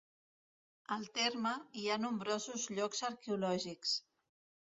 Al terme, hi ha nombrosos llocs arqueològics.